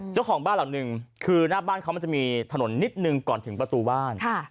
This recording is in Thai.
เจ้าของบ้านหลังหนึ่งคือหน้าบ้านเขามันจะมีถนนนิดนึงก่อนถึงประตูบ้าน